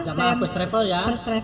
jamaah first travel ya